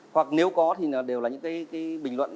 hoặc nếu có thì đều là những cái bình luận